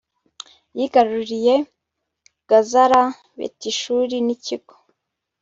yigaruriye gazara, betishuri n'ikigo